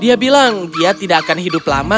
dia bilang dia tidak akan hidup lama